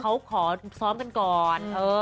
เขาขอซ้อมกันก่อน